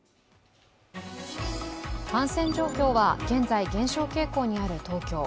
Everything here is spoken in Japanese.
感染状況は現在、減少傾向にある東京。